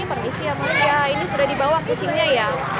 permisi ya ini sudah di bawah kucingnya ya